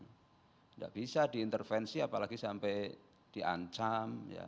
tidak bisa diintervensi apalagi sampai diancam